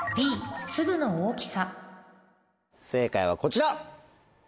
正解はこちら。